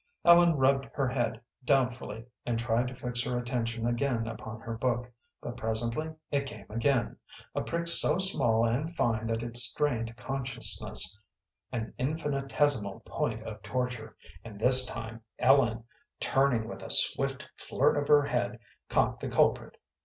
Ellen rubbed her head doubtfully, and tried to fix her attention again upon her book, but presently it came again; a prick so small and fine that it strained consciousness; an infinitesimal point of torture, and this time Ellen, turning with a swift flirt of her head, caught the culprit.